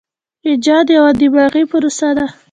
ایجاد یوه دماغي پروسه ده.